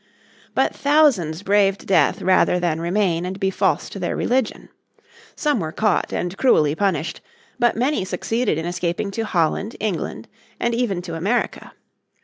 But thousands braved death rather than remain and be false to their religion. Some were caught and cruelly punished, but many succeeded in escaping to Holland, England and even to America.